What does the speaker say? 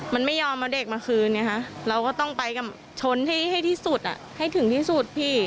มันไม่ยอมเอาเด็กมาคืนไงฮะเราก็ต้องไปกับชนให้ที่สุดให้ถึงที่สุดพี่